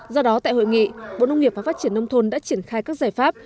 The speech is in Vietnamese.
do đó tại hội nghị bộ nông nghiệp và phát triển nông thôn đã triển khai các giải pháp